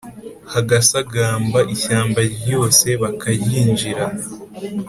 hagasagamba ishyamba ryose bakaryinjira